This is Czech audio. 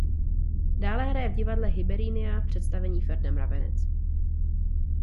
Dále hraje v divadle Hyberinia v představení Ferda Mravenec.